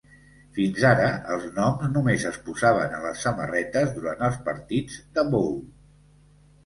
Fins ara, els noms només es posaven a les samarretes durant els partits de bowl.